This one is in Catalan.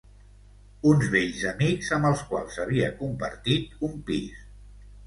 Uns vells amics amb els quals havia compartit un pis.